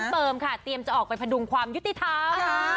เติมค่ะเตรียมจะออกไปพดุงความยุติธรรม